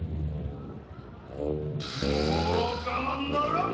「もう我慢ならん！」。